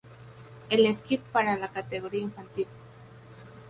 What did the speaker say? El skiff para la categoría infantil.